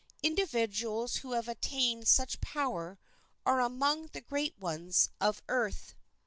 Individuals who have attained such power are among the great ones of earth.